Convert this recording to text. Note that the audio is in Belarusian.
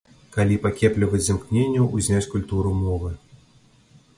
Калі пакепліваць з імкненняў узняць культуру мовы.